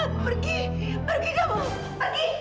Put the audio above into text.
pergi pergi kamu pergi